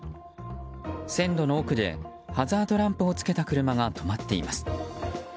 線路の奥でハザードランプをつけた車が止まっています。